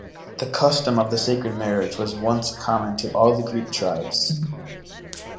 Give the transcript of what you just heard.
The custom of the sacred marriage was once common to all the Greek tribes.